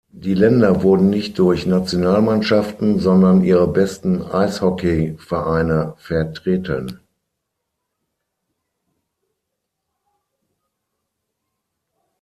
Die Länder wurden nicht durch Nationalmannschaften, sondern ihre besten Eishockeyvereine vertreten.